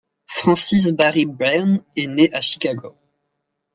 Francis Barry Byrne est né à Chicago.